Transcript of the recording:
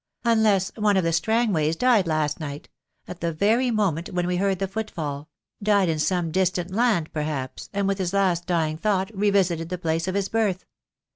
"Unless one of the Strangways died last night — at the very moment when we heard the footfall — died in some distant land, perhaps, and with his last dying thought revisited the place of his birth.